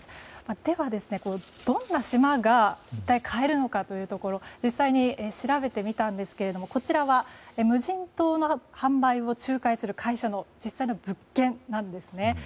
では、どんな島が一体買えるのかというところ実際に調べてみたんですがこちらは無人島の販売を仲介する会社の実際の物件なんですね。